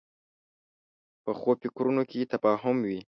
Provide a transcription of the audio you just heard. پخو فکرونو کې تفاهم وي